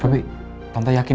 tapi tante yakin